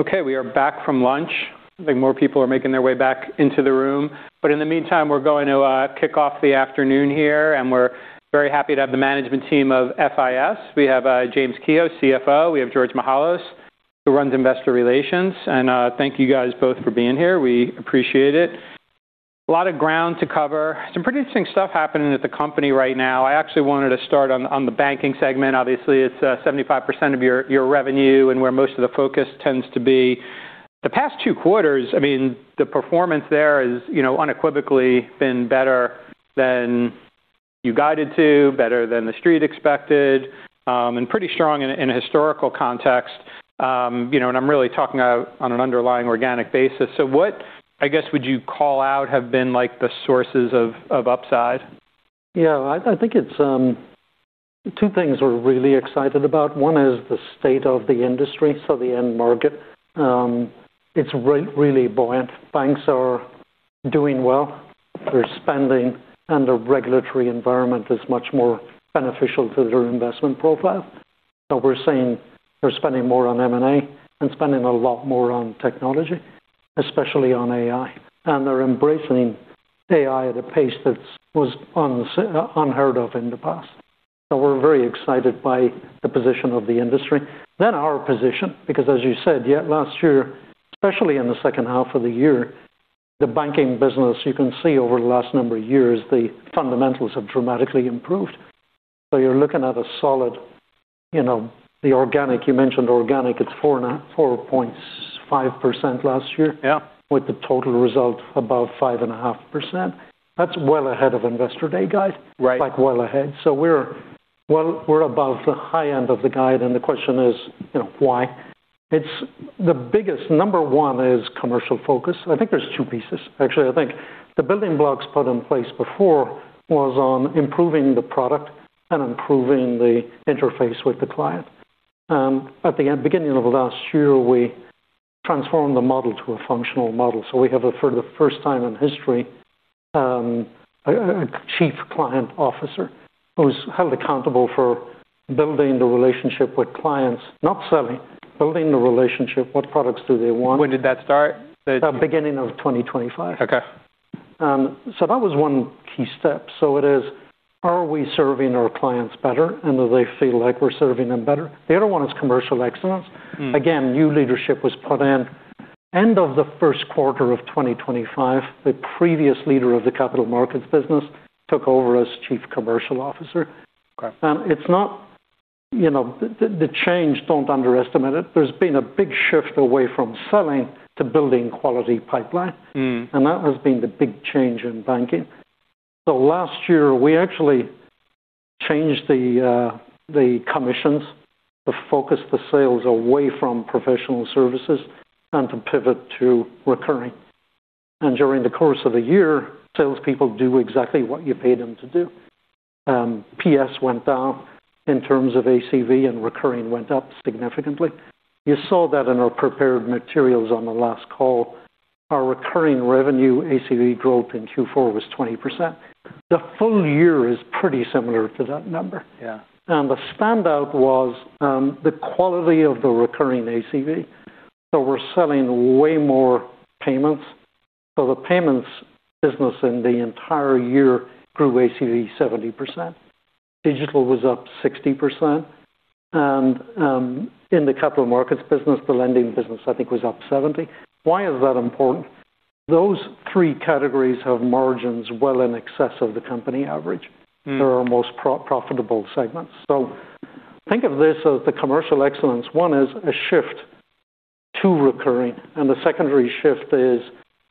Okay, we are back from lunch. I think more people are making their way back into the room. In the meantime, we're going to kick off the afternoon here, and we're very happy to have the management team of FIS. We have James Kehoe, CFO, we have George Mihalos, who runs Investor Relations. Thank you guys both for being here. We appreciate it. A lot of ground to cover. Some pretty interesting stuff happening at the company right now. I actually wanted to start on the Banking segment. Obviously, it's 75% of your revenue and where most of the focus tends to be. The past two quarters, I mean, the performance there is, you know, unequivocally been better than you guided to, better than the street expected, and pretty strong in a historical context. You know, I'm really talking about an underlying organic basis. What, I guess, would you call out have been like the sources of upside? I think it's two things we're really excited about. One is the state of the industry, so the end market. It's really buoyant. Banks are doing well. They're spending, and the regulatory environment is much more beneficial to their investment profile. We're seeing they're spending more on M&A and spending a lot more on technology, especially on AI, and they're embracing AI at a pace that was unheard of in the past. We're very excited by the position of the industry. Our position, because as you said, yeah, last year, especially in the second half of the year, the Banking business, you can see over the last number of years, the fundamentals have dramatically improved. You're looking at a solid, you know, the organic, you mentioned organic, it's 4.5% last year. With the total result about 5.5%. That's well ahead of Investor Day guide. Like, well ahead. We're above the high end of the guide, and the question is, you know, why? It's the biggest number one is commercial focus. I think there's two pieces. Actually, I think the building blocks put in place before was on improving the product and improving the interface with the client. At the beginning of last year, we transformed the model to a functional model. We have it for the first time in history, a Chief Client Officer who's held accountable for building the relationship with clients, not selling, building the relationship, what products do they want. When did that start? Beginning of 2025. Okay. That was one key step. Is it? Are we serving our clients better, and do they feel like we're serving them better? The other one is commercial excellence. Again, new leadership was put in. End of the first quarter of 2025, the previous leader of the Capital Markets business took over as Chief Commercial Officer. Okay. It's not, you know, the change. Don't underestimate it. There's been a big shift away from selling to building quality pipeline. That has been the big change in Banking. Last year, we actually changed the commissions to focus the sales away from professional services and to pivot to recurring. During the course of the year, salespeople do exactly what you pay them to do. PS went down in terms of ACV and recurring went up significantly. You saw that in our prepared materials on the last call. Our recurring revenue ACV growth in Q4 was 20%. The full year is pretty similar to that number. Yeah. The standout was the quality of the recurring ACV. We're selling way more payments. The Payments business in the entire year grew ACV 70%. Digital was up 60%. In the Capital Markets business, the Lending business, I think, was up 70%. Why is that important? Those three categories have margins well in excess of the company average. They're our most profitable segments. Think of this as the commercial excellence. One is a shift to recurring, and the secondary shift is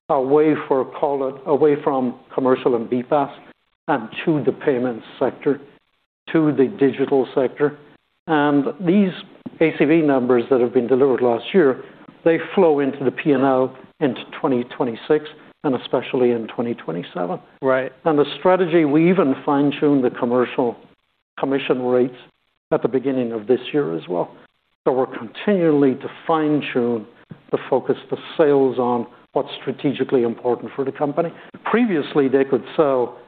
a way for call it, away from Commercial and BPAS and to the Payments sector, to the Digital sector. These ACV numbers that have been delivered last year, they flow into the P&L into 2026, and especially in 2027. Right. The strategy, we even fine-tuned the commercial commission rates at the beginning of this year as well. We're continuing to fine-tune the focus to sales on what's strategically important for the company. Previously, they could sell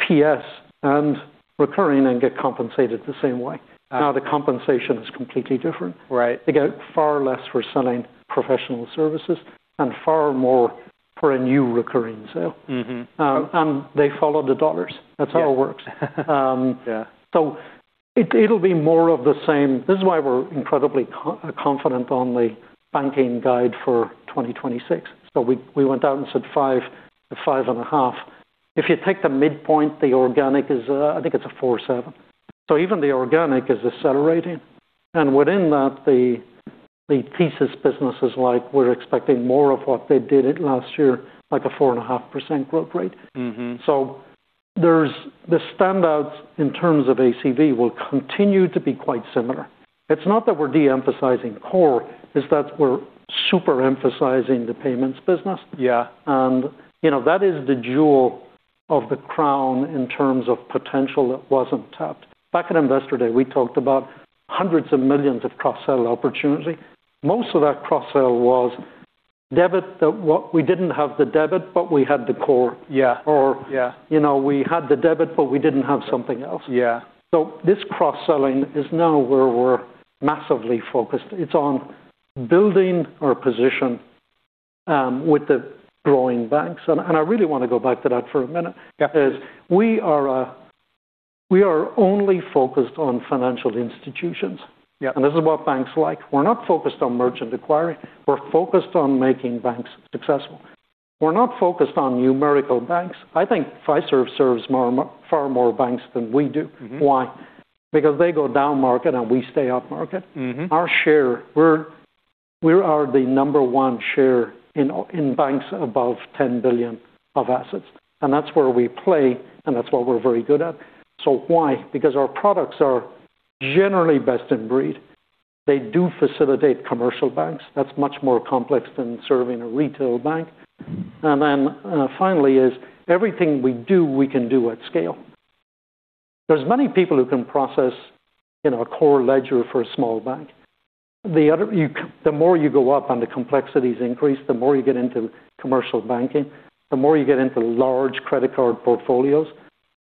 PS and recurring and get compensated the same way. Now the compensation is completely different. Right. They get far less for selling professional services and far more for a new recurring sale. They follow the dollars. Yeah. That's how it works. Yeah. It'll be more of the same. This is why we're incredibly confident on the banking guide for 2026. We went out and said 5%-5.5%. If you take the midpoint, the organic is, I think it's a 4.7%. Even the organic is accelerating. Within that, the TSYS business is like we're expecting more of what they did in last year, like a 4.5% growth rate. Mm-hmm. There's the standouts in terms of ACV will continue to be quite similar. It's not that we're de-emphasizing core, it's that we're super emphasizing the Payments business. Yeah. You know, that is the jewel of the crown in terms of potential that wasn't tapped. Back at Investor Day, we talked about $hundreds of millions of cross-sell opportunity. Most of that cross-sell was debit, the what? We didn't have the debit, but we had the core. Yeah. Or- Yeah. You know, we had the debit, but we didn't have something else. Yeah. This cross-selling is now where we're massively focused. It's on building our position with the growing banks. I really wanna go back to that for a minute. Yeah. As we are only focused on financial institutions. Yeah. This is what banks like. We're not focused on merchant acquiring. We're not focused on neobanks. I think Fiserv serves more, far more banks than we do. Mm-hmm. Why? Because they go down market, and we stay up market. Our share, we are the number one share in banks above $10 billion in assets, and that's where we play, and that's what we're very good at. Why? Because our products are generally best in breed. They do facilitate commercial banks. That's much more complex than serving a retail bank. Finally, everything we do, we can do at scale. There's many people who can process, you know, a core ledger for a small bank. The more you go up and the complexities increase, the more you get into commercial banking, the more you get into large credit card portfolios.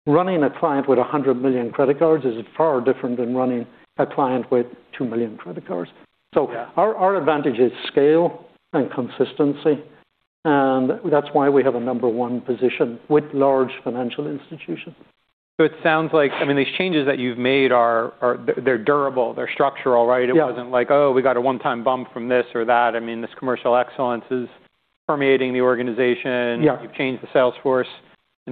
Running a client with 100 million credit cards is far different than running a client with 2 million credit cards. Yeah. Our advantage is scale and consistency, and that's why we have a number one position with large financial institutions. It sounds like, I mean, these changes that you've made, they're durable, they're structural, right? Yeah. It wasn't like, "Oh, we got a one-time bump from this or that." I mean, this commercial excellence is permeating the organization. Yeah. You've changed the sales force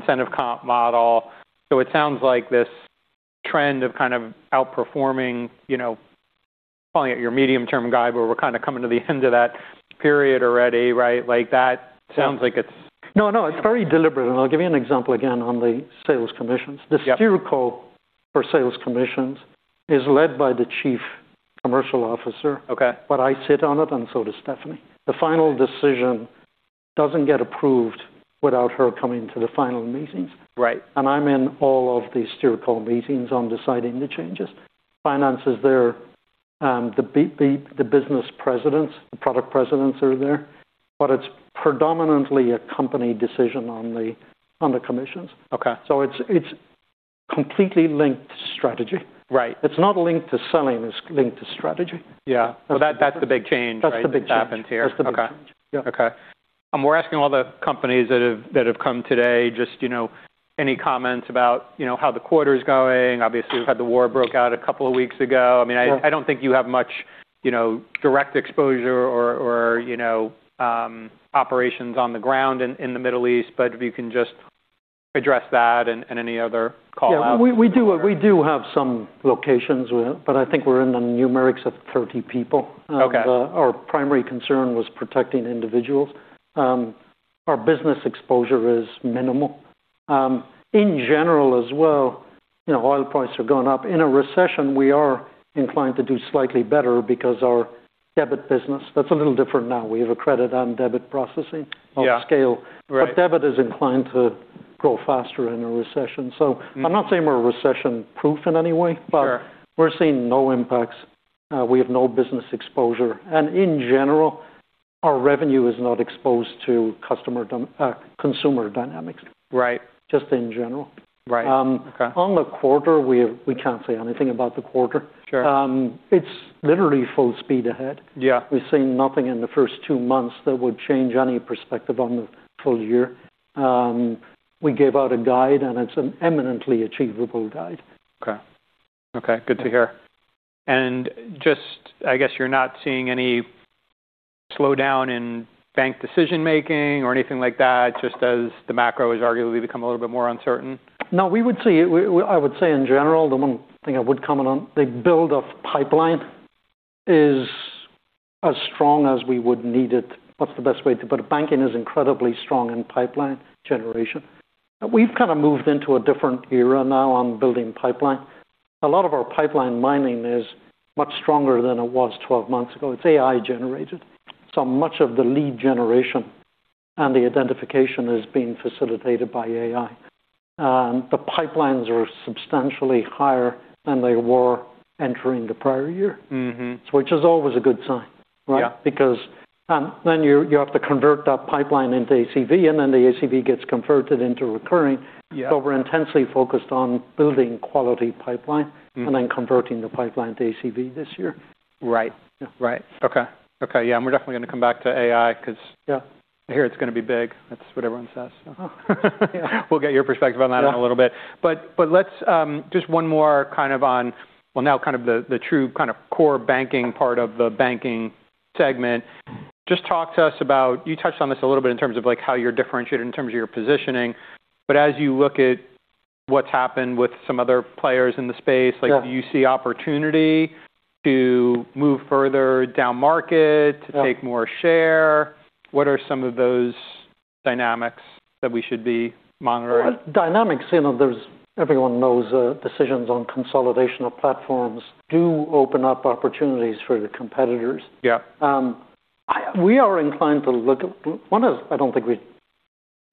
incentive comp model. It sounds like this trend of kind of outperforming, you know, calling it your medium-term guide, but we're kind of coming to the end of that period already, right? No, no, it's very deliberate, and I'll give you an example again on the sales commissions. Yeah. The steering comm for sales commission is led by the Chief Commercial Officer. Okay. I sit on it, and so does Stephanie. The final decision doesn't get approved without her coming to the final meetings. Right. I'm all of the steering comm meetings on deciding the changes. Finance is there. The business presidents, the product presidents are there, but it's predominantly a company decision on the commissions. Okay. It's completely linked to strategy. Right. It's not linked to selling. It's linked to strategy. Well, that's the big change, right? That's the big change. That's happened here. That's the big change. Okay. Yeah. Okay. We're asking all the companies that have come today just, you know, any comments about, you know, how the quarter's going. Obviously, we've had the war broke out a couple of weeks ago. I mean, I don't think you have much, you know, direct exposure or, you know, operations on the ground in the Middle East, but if you can just address that and any other call-out. Yeah. We do have some locations with, but I think we're in the neighborhood of 30 people. Okay. Our primary concern was protecting individuals. Our business exposure is minimal. In general as well, you know, oil prices have gone up. In a recession, we are inclined to do slightly better because our Debit business, that's a little different now. We have a credit and debit processing of scale. Right. Debit is inclined to grow faster in a recession. I'm not saying we're recession proof in any way. Sure. We're seeing no impacts. We have no business exposure. In general, our revenue is not exposed to consumer dynamics. Right. Just in general. Right. Okay. On the quarter, we can't say anything about the quarter. Sure. It's literally full speed ahead. We've seen nothing in the first two months that would change any perspective on the full year. We gave out a guide, and it's an eminently achievable guide. Okay. Okay, good to hear. Just, I guess you're not seeing any slowdown in bank decision-making or anything like that, just as the macro has arguably become a little bit more uncertain. No, we would say. I would say in general, the one thing I would comment on, the build of pipeline is as strong as we would need it. What's the best way to put it? Banking is incredibly strong in pipeline generation. We've kind of moved into a different era now on building pipeline. A lot of our pipeline mining is much stronger than it was 12 months ago. It's AI-generated, so much of the lead generation and the identification is being facilitated by AI. The pipelines are substantially higher than they were entering the prior year. Which is always a good sign, right? Yeah. Because, then you have to convert that pipeline into ACV, and then the ACV gets converted into recurring. We're intensely focused on building quality pipeline and converting the pipeline to ACV this year. Right. Okay. Yeah, we're definitely gonna come back to AI 'cause Yeah I hear it's gonna be big. That's what everyone says. Yeah. We'll get your perspective on that in a little bit. Let's just one more kind of on, well now kind of the true kind of core banking part of the Banking segment. Just talk to us about, you touched on this a little bit in terms of like how you're differentiated in terms of your positioning, but as you look at what's happened with some other players in the space. Like, do you see opportunity to move further down market to take more share? What are some of those dynamics that we should be monitoring? Dynamics, you know, there's, everyone knows, decisions on consolidation of platforms do open up opportunities for the competitors. Yeah. One is, I don't think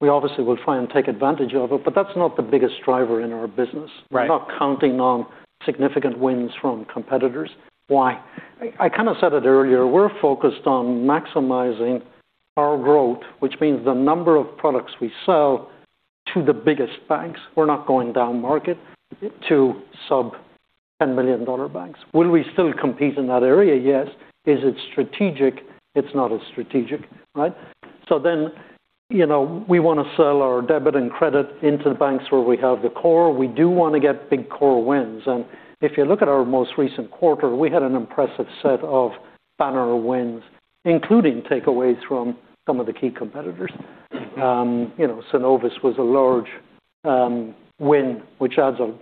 we obviously will try and take advantage of it, but that's not the biggest driver in our business. Right. We're not counting on significant wins from competitors. Why? I kind of said it earlier. We're focused on maximizing our growth, which means the number of products we sell to the biggest banks. We're not going down market to sub $10 million banks. Will we still compete in that area? Yes. Is it strategic? It's not as strategic, right? You know, we wanna sell our debit and credit into the banks where we have the core. We do wanna get big core wins. If you look at our most recent quarter, we had an impressive set of banner wins, including takeaways from some of the key competitors. Synovus was a large win, which adds a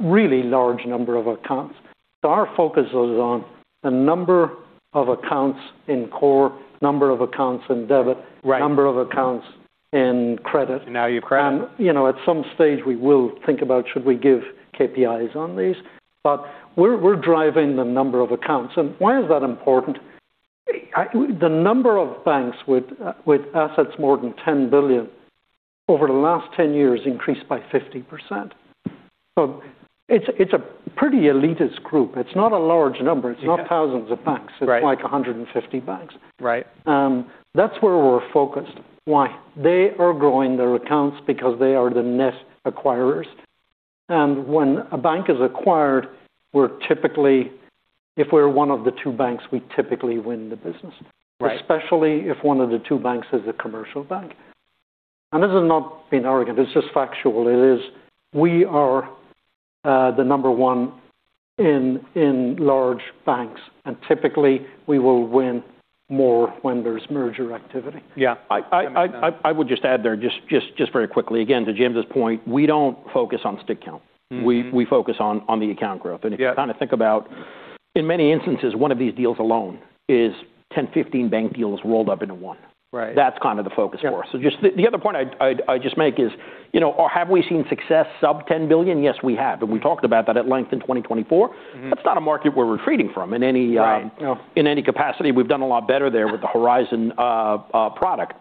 really large number of accounts. Our focus is on the number of accounts in core, number of accounts in debit- Right. Number of accounts in credit. Now you're- You know, at some stage we will think about should we give KPIs on these. We're driving the number of accounts. Why is that important? The number of banks with assets more than $10 billion over the last 10 years increased by 50%. It's a pretty elitist group. It's not a large number. Yeah. It's not thousands of banks. Right. It's like 150 banks. Right. That's where we're focused. Why? They are growing their accounts because they are the net acquirers. When a bank is acquired, if we're one of the two banks, we typically win the business. Right. Especially if one of the two banks is a commercial bank. This is not being arrogant, it's just factual. It is we are the number one in large banks, and typically we will win more when there's merger activity. Yeah. I would just add there, just very quickly again to James's point, we don't focus on stick count. We focus on the account growth. Yeah. If you kinda think about, in many instances, one of these deals alone is 10, 15 bank deals rolled up into one. Right. That's kind of the focus for us. Yeah. Just the other point I'd just make is, you know, or have we seen success sub $10 billion? Yes, we have, and we talked about that at length in 2024. That's not a market we're retreating from in any. Right. In any capacity. We've done a lot better there with the HORIZON product.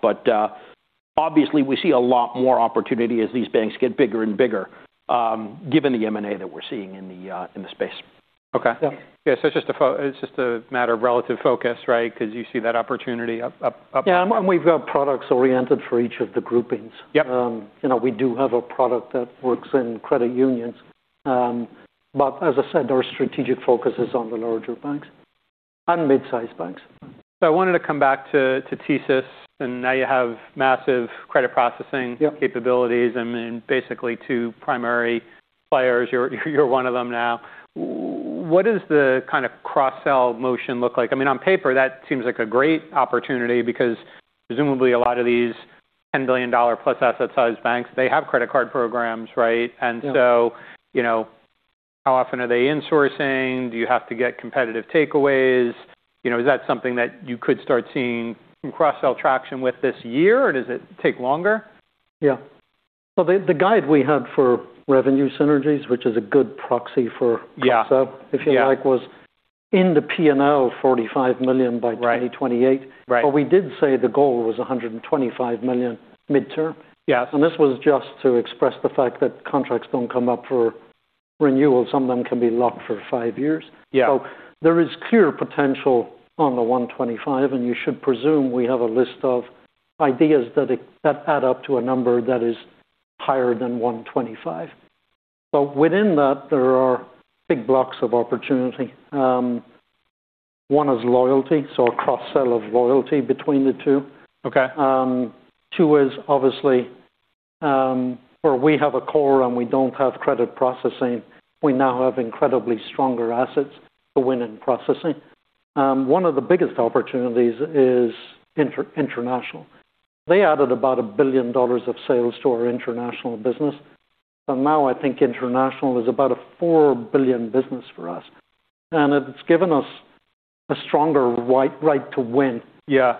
Obviously we see a lot more opportunity as these banks get bigger and bigger, given the M&A that we're seeing in the space. Yeah. It's just a matter of relative focus, right? 'Cause you see that opportunity up. We've got products oriented for each of the groupings. Yep. you know, we do have a product that works in credit unions. As I said, our strategic focus is on the larger banks and mid-size banks. I wanted to come back to TSYS, and now you have massive credit processing. Capabilities and then basically two primary players. You're one of them now. What does the kind of cross-sell motion look like? I mean, on paper that seems like a great opportunity because presumably a lot of these $10 billion-plus asset size banks, they have credit card programs, right? How often are they insourcing? Do you have to get competitive takeaways? You know, is that something that you could start seeing some cross-sell traction with this year, or does it take longer? Yeah. The guide we had for revenue synergies, which is a good proxy for- Yeah. Cross-sell- Yeah. If you like, was in the P&L $45 million by 2028. Right. We did say the goal was $125 million midterm. Yeah. This was just to express the fact that contracts don't come up for renewal. Some of them can be locked for five years. Yeah. There is clear potential on the $125, and you should presume we have a list of ideas that add up to a number that is higher than $125. But within that, there are big blocks of opportunity. One is loyalty, so a cross-sell of loyalty between the two. Okay. Two is obviously where we have a core and we don't have credit processing, we now have incredibly stronger assets for win and processing. One of the biggest opportunities is International. They added about $1 billion of sales to our International business. Now I think International is about a $4 billion business for us, and it's given us a stronger right to win. Yeah.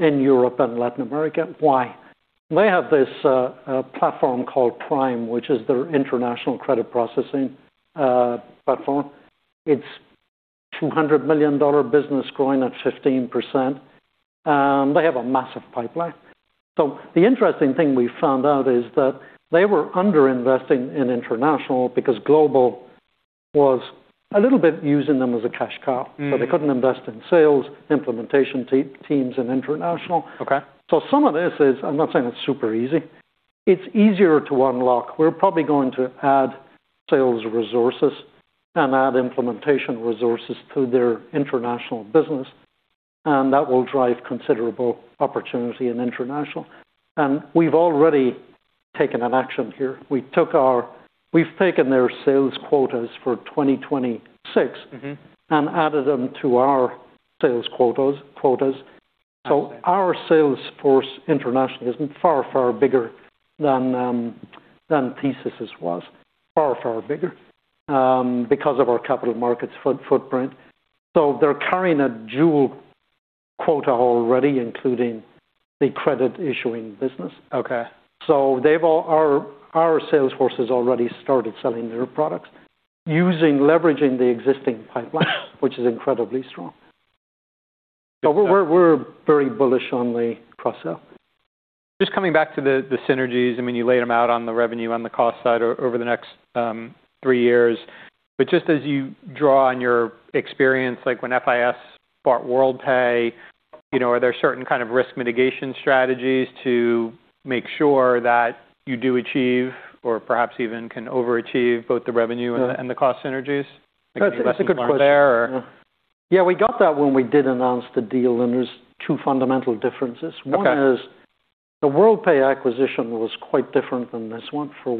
In Europe and Latin America. Why? They have this platform called Prime, which is their international credit processing platform. It's a $200 million business growing at 15%. They have a massive pipeline. The interesting thing we found out is that they were under-investing in international because Global was a little bit using them as a cash cow. They couldn't invest in sales, implementation teams in international. Okay. Some of this is. I'm not saying it's super easy. It's easier to unlock. We're probably going to add sales resources and add implementation resources to their International business, and that will drive considerable opportunity in international. We've already taken an action here. We've taken their sales quotas for 2026- Added them to our sales quotas. Our sales force internationally is far, far bigger than TSYS' was. Far, far bigger because of our capital markets footprint. They're carrying a dual quota already, including the credit issuing business. Okay. Our sales force has already started selling their products leveraging the existing pipeline which is incredibly strong. We're very bullish on the cross-sell. Just coming back to the synergies. I mean, you laid them out on the revenue, on the cost side over the next three years. Just as you draw on your experience, like when FIS bought Worldpay, you know, are there certain kind of risk mitigation strategies to make sure that you do achieve or perhaps even can overachieve both the revenue- Yeah The cost synergies? That's a good question. Lessons learned there or. Yeah, we got that when we did announce the deal, and there's two fundamental differences. Okay. One is the Worldpay acquisition was quite different than this one for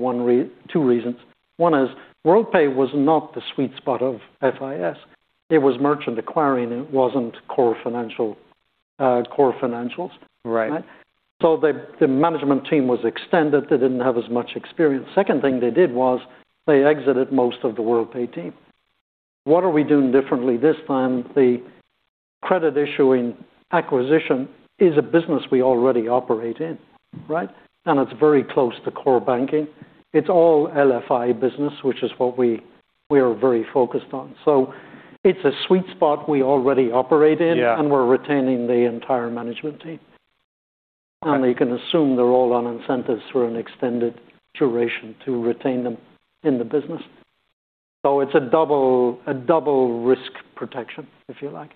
two reasons. One is Worldpay was not the sweet spot of FIS. It was merchant acquiring, it wasn't core financial, core financials. Right. The management team was extended. They didn't have as much experience. Second thing they did was they exited most of the Worldpay team. What are we doing differently this time? The credit issuer acquisition is a business we already operate in, right? It's very close to core banking. It's all LFI business, which is what we are very focused on. It's a sweet spot we already operate in. Yeah. We're retaining the entire management team. Right. You can assume they're all on incentives for an extended duration to retain them in the business. It's a double risk protection, if you like.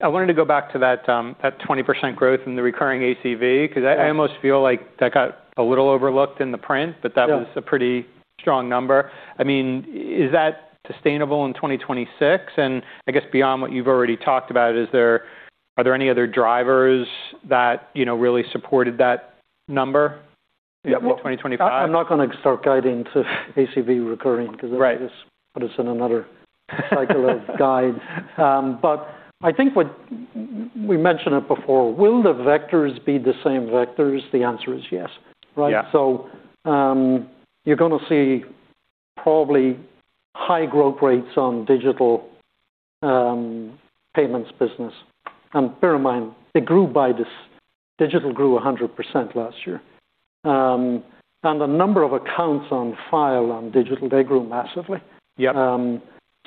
I wanted to go back to that 20% growth in the recurring ACV because I. Yeah I almost feel like that got a little overlooked in the print. Yeah. That was a pretty strong number. I mean, is that sustainable in 2026? I guess beyond what you've already talked about, are there any other drivers that, you know, really supported that number? Yeah. Well in 2025? I'm not gonna start guiding to ACV recurring because. Right. It'll just put us in another cycle of guidance. I think what we mentioned before, will the vectors be the same vectors? The answer is yes, right? Yeah. You're gonna see probably high growth rates on Digital Payments business. Bear in mind, digital grew 100% last year. The number of accounts on file on digital, they grew massively. Yep.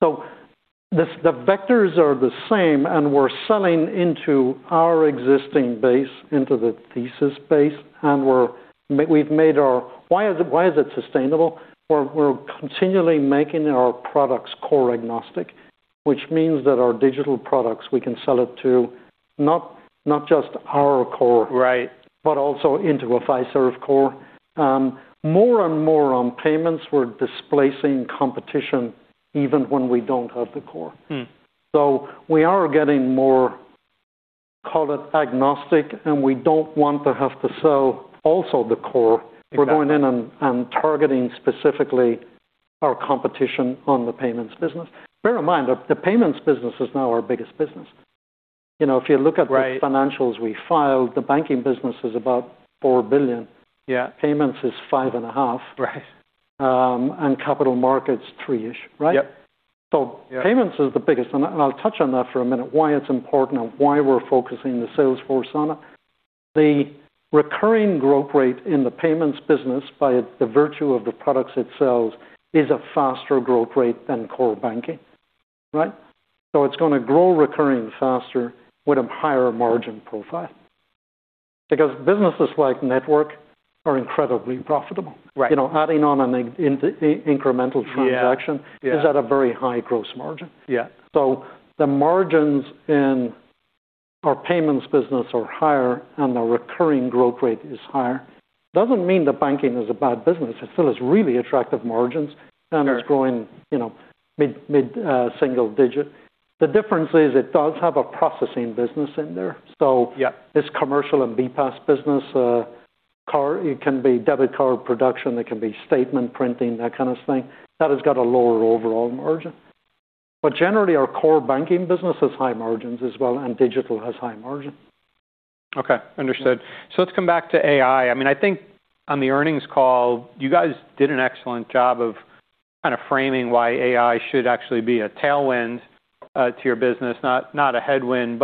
The vectors are the same, and we're selling into our existing base, into the TSYS base. Why is it sustainable? We're continually making our products core agnostic, which means that our digital products, we can sell it to not just our core- Right ...into a Fiserv core. More and more on payments, we're displacing competition even when we don't have the core. We are getting more, call it agnostic, and we don't want to have to sell also the core. Exactly. We're going in and targeting specifically our competition on the Payments business. Bear in mind, the Payments business is now our biggest business. You know, if you look at the Right In the financials we filed, the Banking business is about $4 billion. Yeah. Payments is 5.5%. Right. Capital Markets, 3%-ish, right? Yep. So- Yeah Payments is the biggest. I'll touch on that for a minute, why it's important and why we're focusing the sales force on it. The recurring growth rate in the Payments business by virtue of the products it sells is a faster growth rate than core Banking, right? It's gonna grow recurring faster with a higher margin profile. Because businesses like network are incredibly profitable. Right. You know, adding on an incremental transaction. Yeah, yeah Is at a very high gross margin. Yeah. The margins in our Payments business are higher, and the recurring growth rate is higher. Doesn't mean the banking is a bad business. It still has really attractive margins. Sure it's growing, you know, mid-single-digit. The difference is it does have a processing business in there. Yeah This Commercial and BPAS business, it can be debit card production, it can be statement printing, that kind of thing. That has got a lower overall margin. Generally, our core Banking business has high margins as well, and Digital has high margin. Okay. Understood. Let's come back to AI. I mean, I think on the earnings call, you guys did an excellent job of kind of framing why AI should actually be a tailwind to your business, not a headwind.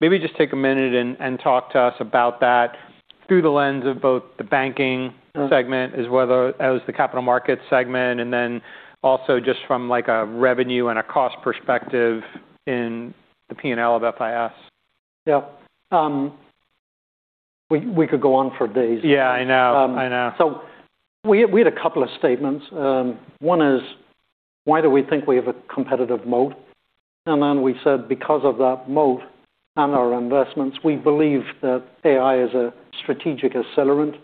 Maybe just take a minute and talk to us about that through the lens of both the Banking segment. Sure ...as well as the Capital Markets segment, and then also just from, like, a revenue and a cost perspective in the P&L of FIS. Yeah. We could go on for days. Yeah, I know. I know. We had a couple of statements. One is, why do we think we have a competitive moat? We said because of that moat and our investments, we believe that AI is a strategic accelerant,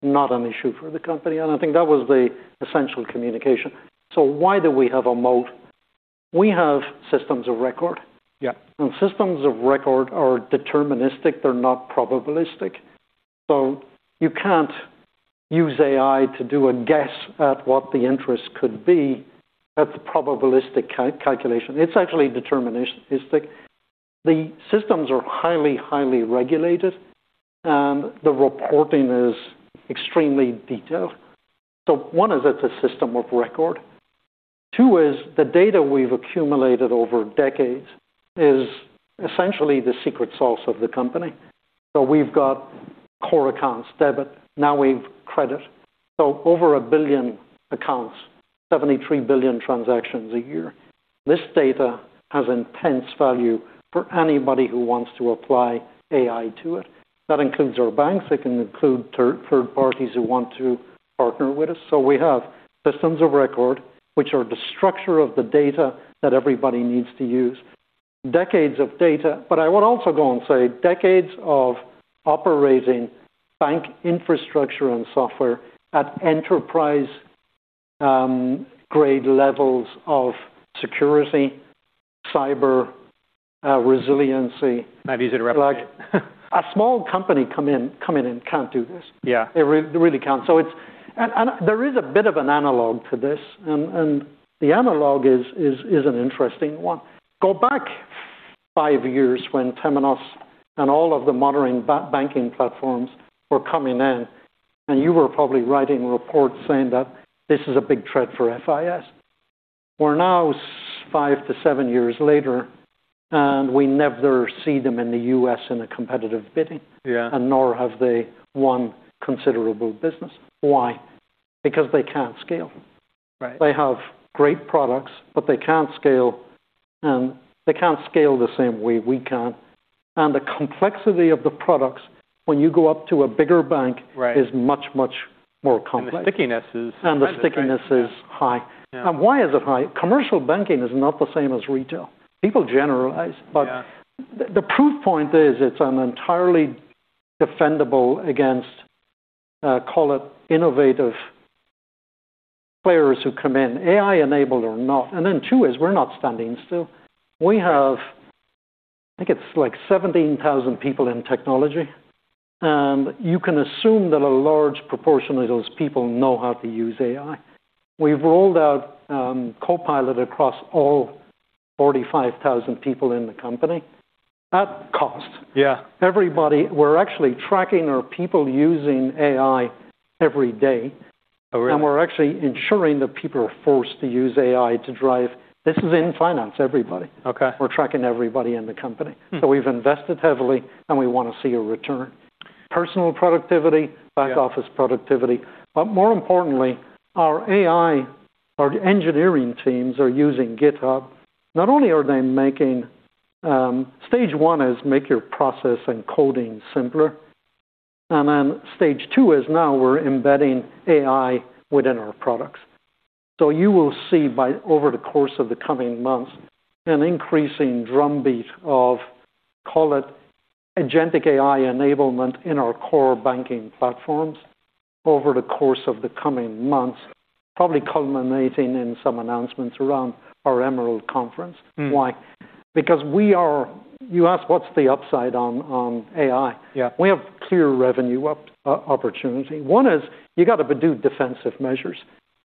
not an issue for the company. I think that was the essential communication. Why do we have a moat? We have systems of record. Yeah. Systems of record are deterministic. They're not probabilistic. You can't use AI to do a guess at what the interest could be. That's a probabilistic calculation. It's actually deterministic. The systems are highly regulated, and the reporting is extremely detailed. One is it's a system of record. Two is the data we've accumulated over decades is essentially the secret sauce of the company. We've got core accounts, debit, now we've credit. Over 1 billion accounts, 73 billion transactions a year. This data has intense value for anybody who wants to apply AI to it. That includes our banks. It can include third parties who want to partner with us. We have systems of record, which are the structure of the data that everybody needs to use, decades of data. I would also go and say decades of operating bank infrastructure and software at enterprise-grade levels of security, cyber resiliency. Not easy to replicate. Like a small company come in and can't do this. Yeah. They really can't. There is a bit of an analog to this, and the analog is an interesting one. Go back five years when Temenos and all of the modern banking platforms were coming in, and you were probably writing reports saying that this is a big threat for FIS. We're now five to seven years later, and we never see them in the U.S. in a competitive bidding. Yeah. Nor have they won considerable business. Why? Because they can't scale. Right. They have great products, but they can't scale, and they can't scale the same way we can. The complexity of the products when you go up to a bigger bank. Right Is much, much more complex. The stickiness is. The stickiness is high. Yeah. Why is it high? Commercial banking is not the same as retail. People generalize. Yeah. The proof point is it's an entirely defendable against call it innovative players who come in, AI-enabled or not. Two is we're not standing still. We have, I think it's like 17,000 people in technology, and you can assume that a large proportion of those people know how to use AI. We've rolled out Copilot across all 45,000 people in the company at cost. Yeah. Everybody. We're actually tracking our people using AI every day. Oh, really? We're actually ensuring that people are forced to use AI to drive. This is in finance, everybody. Okay. We're tracking everybody in the company. We've invested heavily, and we wanna see a return. Personal productivity- Yeah Back office productivity. More importantly, our AI, our engineering teams are using GitHub. Not only are they making stage one is make your process and coding simpler. Then stage two is now we're embedding AI within our products. You will see, over the course of the coming months, an increasing drumbeat of, call it agentic AI enablement in our core banking platforms over the course of the coming months, probably culminating in some announcements around our Emerald conference. Why? You ask what's the upside on AI. Yeah. We have clear revenue opportunity. One is you gotta do defensive measures.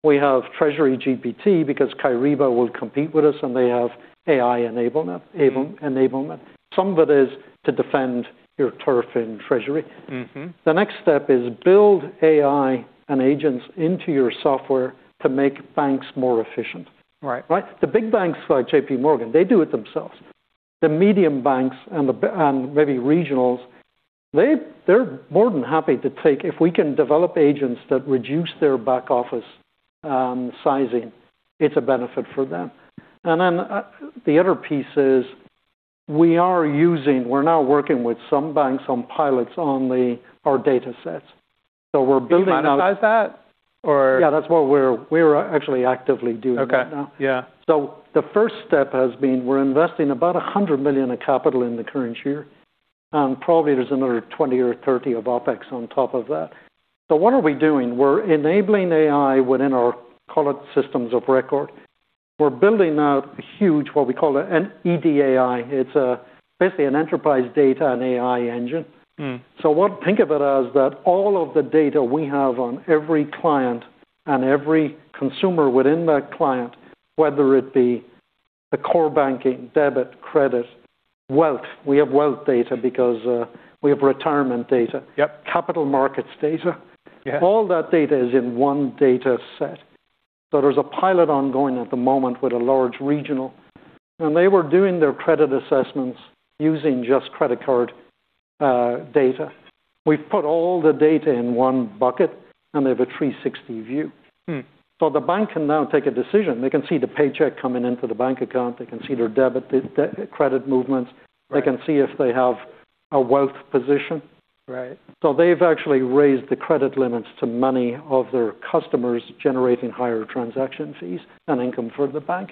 We have TreasuryGPT because Kyriba will compete with us, and they have AI enablement. Some of it is to defend your turf in treasury. The next step is to build AI and agents into your software to make banks more efficient. Right. Right? The big banks like JPMorgan, they do it themselves. The medium banks and maybe regionals, they're more than happy to take. If we can develop agents that reduce their back office sizing, it's a benefit for them. The other piece is we're now working with some banks on pilots on our datasets. We're building out. Do you monetize that or? Yeah, that's what we're actually actively doing right now. Okay. Yeah. The first step has been we're investing about $100 million of capital in the current year, and probably there's another $20 million or $30 million of OpEx on top of that. What are we doing? We're enabling AI within our, call it, systems of record. We're building out a huge, what we call an EDAI. It's basically an enterprise data and AI engine. Think of it as that all of the data we have on every client and every consumer within that client, whether it be the core banking, debit, credit, wealth. We have wealth data because we have retirement data. Yep. Capital Market data. Yeah. All that data is in one dataset. There's a pilot ongoing at the moment with a large regional, and they were doing their credit assessments using just credit card data. We've put all the data in one bucket, and they have a 360 view. The bank can now take a decision. They can see the paycheck coming into the bank account. They can see their debit, credit movements. Right. They can see if they have a wealth position. Right. They've actually raised the credit limits to many of their customers, generating higher transaction fees and income for the bank.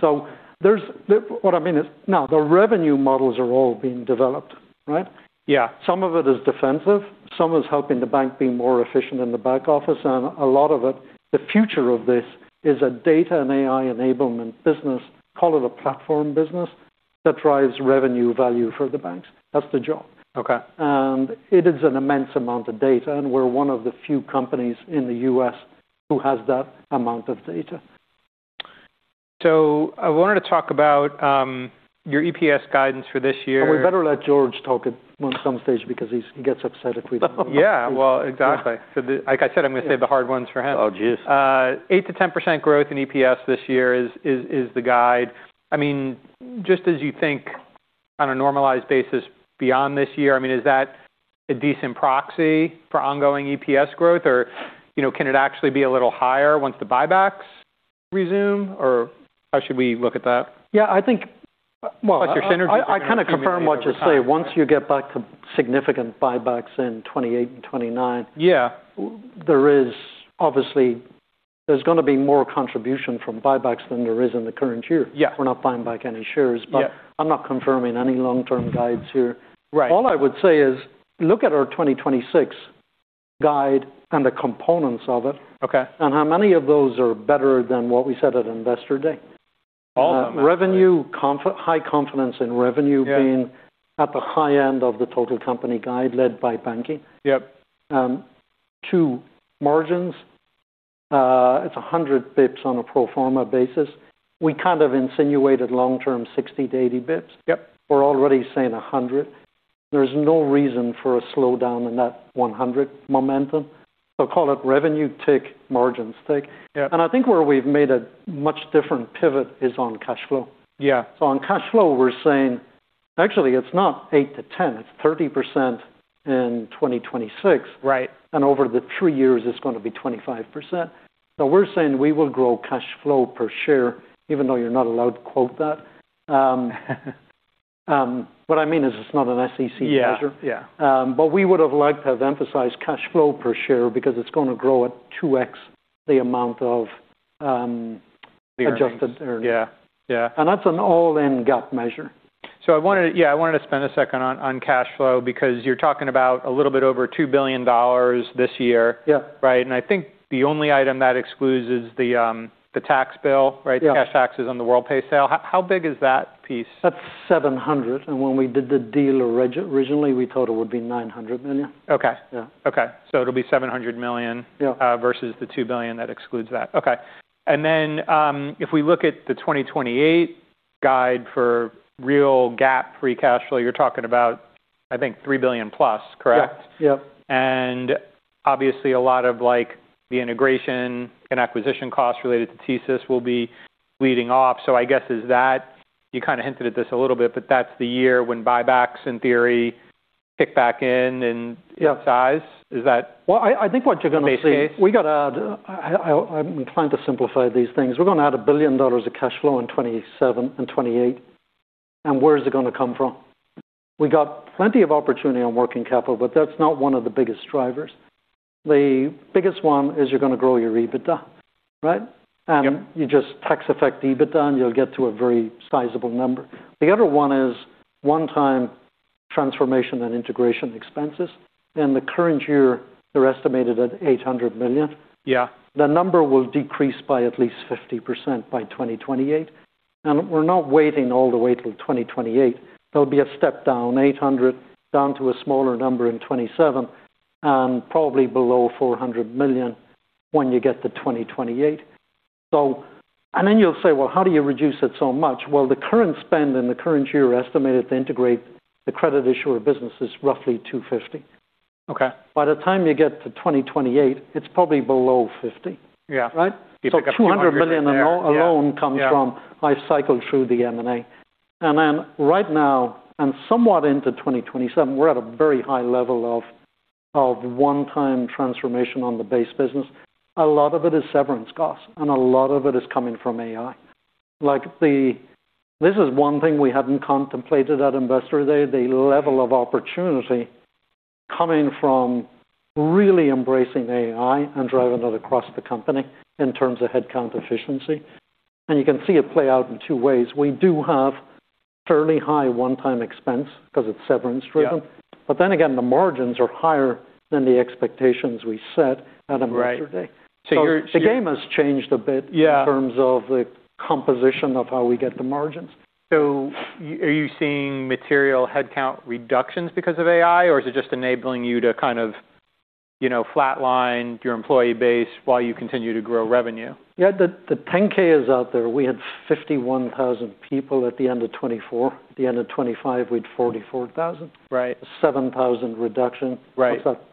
What I mean is, now the revenue models are all being developed, right? Yeah. Some of it is defensive, some is helping the bank be more efficient in the back office, and a lot of it, the future of this is a data and AI enablement business, call it a Platform business, that drives revenue value for the banks. That's the job. Okay. It is an immense amount of data, and we're one of the few companies in the U.S. who has that amount of data. I wanted to talk about your EPS guidance for this year. We better let George talk at some stage because he gets upset if we don't. Yeah. Well, exactly. Yeah. Like I said, I'm gonna save the hard ones for him. Oh, geez. 8%-10% growth in EPS this year is the guide. I mean, just as you think on a normalized basis beyond this year. I mean, is that a decent proxy for ongoing EPS growth? Or, you know, can it actually be a little higher once the buybacks resume or how should we look at that? Yeah, I think. What's your synergy? I kind of confirm what you say. Once you get back to significant buybacks in 2028 and 2029. Yeah There is obviously gonna be more contribution from buybacks than there is in the current year. Yeah. We're not buying back any shares. Yeah. I'm not confirming any long-term guides here. Right. All I would say is look at our 2026 guide and the components of it. Okay. How many of those are better than what we said at Investor Day. All of them actually. High confidence in revenue. Yeah Being at the high end of the total company guidance led by Banking. Yep. Too, margins. It's 100 basis points on a pro forma basis. We kind of insinuated long-term 60-80 basis points. Yep. We're already saying 100. There's no reason for a slowdown in that 100 momentum. Call it revenue tick, margins tick. Yeah. I think where we've made a much different pivot is on cash flow. Yeah. On cash flow, we're saying actually it's not 8%-10%, it's 30% in 2026. Right. Over the three years, it's gonna be 25%. We're saying we will grow cash flow per share even though you're not allowed to quote that. What I mean is it's not an SEC measure. Yeah, yeah. We would've liked to have emphasized cash flow per share because it's gonna grow at 2x the amount of. The earnings adjusted earnings. Yeah, yeah. That's an all-in GAAP measure. I wanted to spend a second on cash flow because you're talking about a little bit over $2 billion this year. Yeah. Right. I think the only item that excludes is the tax bill, right? Yeah. The cash taxes on the Worldpay sale. How big is that piece? That's $700 million. When we did the deal originally, we thought it would be $900 million. Okay. Yeah. Okay. It'll be $700 million- Yeah versus the $2 billion that excludes that. Okay. If we look at the 2028 guide for real GAAP free cash flow, you're talking about I think $3 billion plus, correct? Yeah. Yep. Obviously a lot of like the integration and acquisition costs related to TSYS will be leading off. I guess is that you kind of hinted at this a little bit, but that's the year when buybacks in theory kick back in and Yeah in size. Is that Well, I think what you're gonna see. base case? We got to add. I'm trying to simplify these things. We're gonna add $1 billion of cash flow in 2027 and 2028. Where is it gonna come from? We got plenty of opportunity on working capital, but that's not one of the biggest drivers. The biggest one is you're gonna grow your EBITDA, right? Yep. You just tax affect EBITDA, and you'll get to a very sizable number. The other one is one-time transformation and integration expenses. In the current year, they're estimated at $800 million. Yeah. The number will decrease by at least 50% by 2028. We're not waiting all the way till 2028. There'll be a step down, 800 down to a smaller number in 2027 and probably below $400 million when you get to 2028. You'll say, "Well, how do you reduce it so much?" Well, the current spend in the current year estimated to integrate the credit issuer business is roughly $250 million. Okay. By the time you get to 2028, it's probably below 50. Yeah. Right? You pick up $200 million there. $200 million alone comes from I cycled through the M&A. Right now and somewhat into 2027, we're at a very high level of one-time transformation on the base business. A lot of it is severance costs, and a lot of it is coming from AI. Like this is one thing we haven't contemplated at Investor Day, the level of opportunity coming from really embracing AI and driving it across the company in terms of headcount efficiency. You can see it play out in two ways. We do have fairly high one-time expense 'cause it's severance driven. Yeah. The margins are higher than the expectations we set at Investor Day. Right. You're The game has changed a bit. Yeah in terms of the composition of how we get the margins. Are you seeing material headcount reductions because of AI or is it just enabling you to kind of, you know, flatline your employee base while you continue to grow revenue? Yeah. The 10-K is out there. We had 51,000 people at the end of 2024. At the end of 2025, we had 44,000. Right. 7,000 reduction. Right. What's that?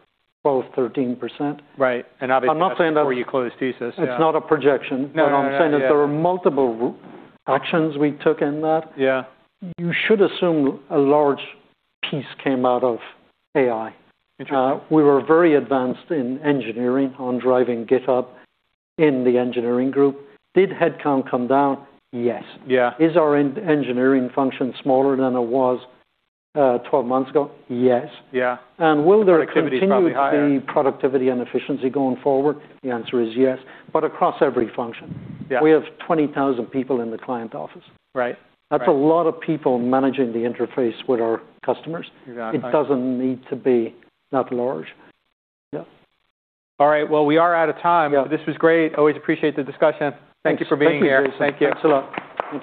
12%-13%. Right. Obviously that's before you closed TSYS. Yeah. It's not a projection. No, no. Yeah, yeah. I'm saying that there are multiple actions we took in that. Yeah. You should assume a large piece came out of AI. Interesting. We were very advanced in engineering on driving GitHub in the engineering group. Did headcount come down? Yes. Yeah. Is our engineering function smaller than it was 12 months ago? Yes. Yeah. Will there continue? Productivity is probably higher.... to be productivity and efficiency going forward? The answer is yes. Across every function. Yeah. We have 20,000 people in the client office. Right. Right. That's a lot of people managing the interface with our customers. Exactly. It doesn't need to be that large. Yeah. All right. Well, we are out of time. Yeah. This was great. Always appreciate the discussion. Thank you for being here. Thanks. Thank you, Jason. Thank you. Thanks a lot.